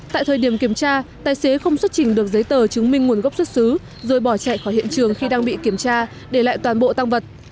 tại thời điểm kiểm tra tài xế không xuất trình được giấy tờ chứng minh nguồn gốc xuất xứ rồi bỏ chạy khỏi hiện trường khi đang bị kiểm tra để lại toàn bộ tăng vật